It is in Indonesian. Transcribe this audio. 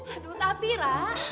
aduh tapi lah